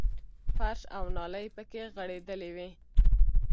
فرش او نالۍ پکې غړېدلې وې.